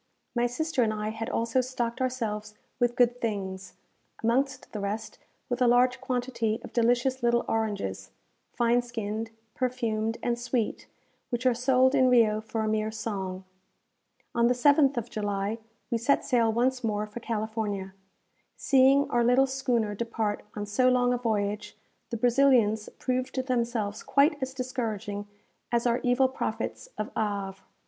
My sister and I had also stocked ourselves with good things; amongst the rest, with a large quantity of delicious little oranges, fine skinned, perfumed, and sweet, which are sold in Rio for a mere song. On the 7th of July we set sail once more for California. Seeing our little schooner depart on so long a voyage, the Brazilians proved themselves quite as discouraging as our evil prophets of Havre.